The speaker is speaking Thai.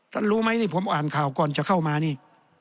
รู้ไหมนี่ผมอ่านข่าวก่อนจะเข้ามานี่